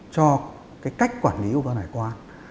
cho cách quản lý của cơ quan hải quan